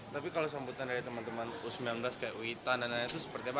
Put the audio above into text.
tapi kalau sambutan dari teman teman u sembilan belas kayak witan dan lain lain itu seperti apa